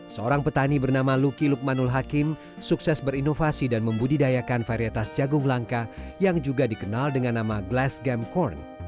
seorang petani bernama luki lukmanul hakim sukses berinovasi dan membudidayakan varietas jagung langka yang juga dikenal dengan nama glass game court